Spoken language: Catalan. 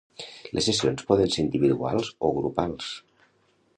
Les sessions poden ser individuals o grupals.